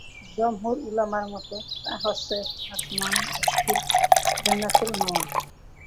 জমহুর উলামার মতে তা হচ্ছে আসমানে অবিস্থত জান্নাতুল মাওয়া।